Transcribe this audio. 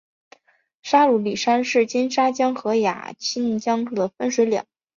沙鲁里山是金沙江与雅砻江的分水岭。